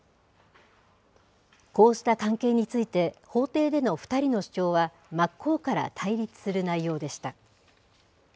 こうした関係について、法廷での２人の主張は真っ向から対立する内容でした。